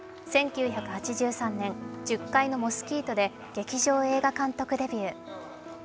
１９８３年、「十階のモスキート」で劇場映画監督デビュー。